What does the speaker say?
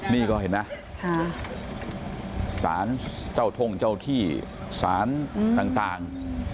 นี่ก็เห็นไหมสารเจ้าท่งเจ้าที่สารต่าง